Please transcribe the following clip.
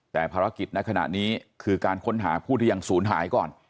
แต่ภารกิจในขณะนี้คือการค้นหาผู้ที่ยังศูนย์หายก่อน